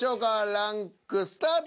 ランクスタート。